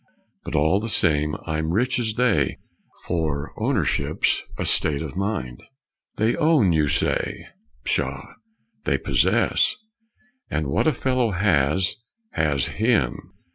But all the same I'm rich as they, For ownership's a state of mind. They own, you say? Pshaw, they possess! And what a fellow has, has him!